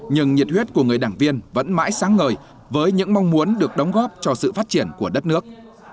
nhưng nhiệt huyết của người đảng viên vẫn mãi sáng ngời với những mong muốn được đóng góp cho sự phát triển của đất nước